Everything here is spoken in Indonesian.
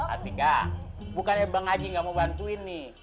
artinya bukannya bang haji gak mau bantuin nih